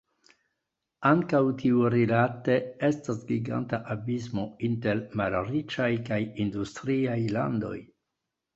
Ankaŭ tiurilate estas giganta abismo inter malriĉaj kaj industriaj landoj.